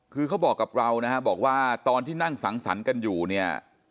คือเขาบอกกับเรานะฮะบอกว่าตอนที่นั่งสังสรรค์กันอยู่เนี่ย